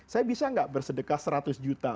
saya bisa nggak bersedekah seratus juta